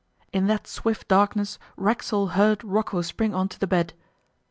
In that swift darkness Racksole heard Rocco spring on to the bed.